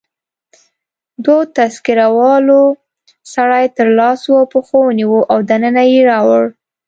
دوو تذکره والاو سړی تر لاسو او پښو ونیو او دننه يې راوړ.